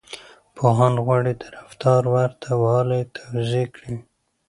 پوهان غواړي د رفتار ورته والی توضيح کړي.